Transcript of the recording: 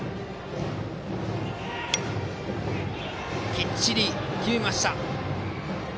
きっちり決めました。